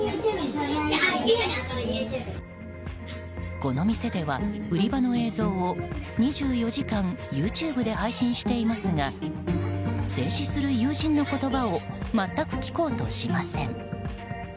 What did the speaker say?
この店では売り場の映像を２４時間ＹｏｕＴｕｂｅで配信していますが制止する友人の言葉を全く聞こうとしません。